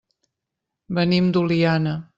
Venim d'Oliana.